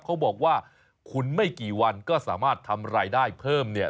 เขาบอกว่าคุณไม่กี่วันก็สามารถทำรายได้เพิ่มเนี่ย